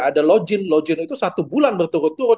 ada login login itu satu bulan berturut turut